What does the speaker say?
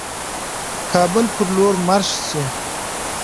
کابل پر لور مارش شي.